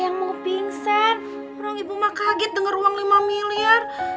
iya siapa yang mau pingsan orang ibu mah kaget dengan uang lima miliar